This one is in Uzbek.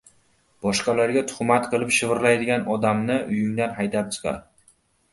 Boshqalarga tuhmat qilib shivirlaydigan odamni uyingdan haydab chiqar.